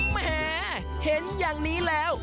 แหมเห็นอย่างนี้แล้ว